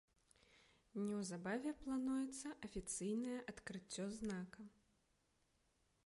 Неўзабаве плануецца афіцыйнае адкрыццё знака.